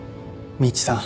みちさん。